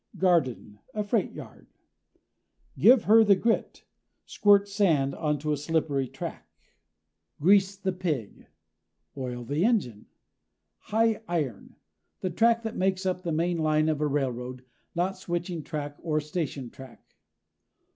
GARDEN a freight yard. GIVE HER THE GRIT squirt sand onto a slippery track. GREASE THE PIG oil the engine. HIGH IRON the track that makes up the main line of a railroad, not switching track or station track.